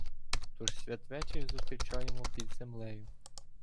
Тож Святвечір зустрічаємо під землею.